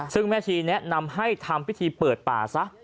ซึ่งแม่ชีแนะนำให้ทำพิธีเปิดป่าซะ